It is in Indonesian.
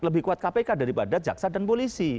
lebih kuat kpk daripada jaksa dan polisi